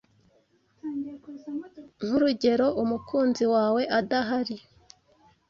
nk’urugero umukunzi wawe adahari